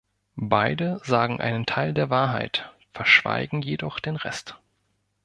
Beide sagen einen Teil der Wahrheit, verschweigen jedoch den Rest.